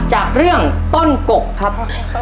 จากเรื่องต้นกกครับ